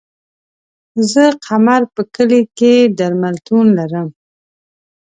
زه قمر په کلي کی درملتون لرم